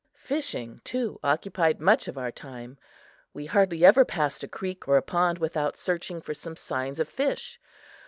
Fishing, too, occupied much of our time. We hardly ever passed a creek or a pond without searching for some signs of fish.